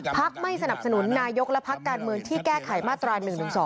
ไม่สนับสนุนนายกและพักการเมืองที่แก้ไขมาตรา๑๑๒